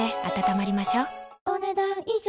お、ねだん以上。